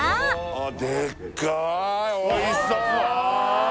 あっでっかいおいしそう！